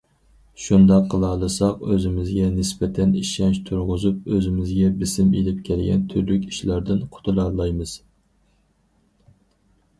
شۇنداق قىلالىساق، ئۆزىمىزگە نىسبەتەن ئىشەنچ تۇرغۇزۇپ، ئۆزىمىزگە بېسىم ئېلىپ كەلگەن تۈرلۈك ئىشلاردىن قۇتۇلالايمىز.